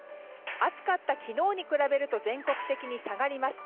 暑かった昨日に比べると全国的に下がります。